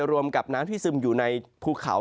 รวมกับน้ำที่ซึมอยู่ในภูเขา